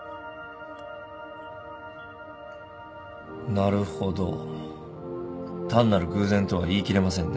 なるほど単なる偶然とは言い切れませんね。